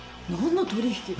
何の取引？